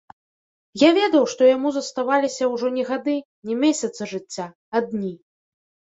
Я ведаў, што яму заставаліся ўжо не гады, не месяцы жыцця, а дні.